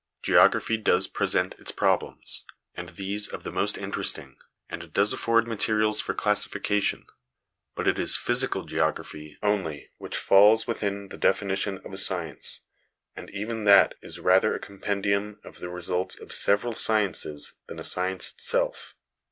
Geography does present its problems, and these of the most inter 272 HOME EDUCATION esting, and does afford materials for classification ; but it is physical geography only which falls within the definition of a science, and even that is rather a compendium of the results of several sciences than a science itself.